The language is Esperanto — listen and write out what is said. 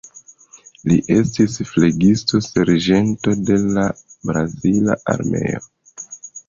Li estis flegisto-serĝento de la brazila armeo.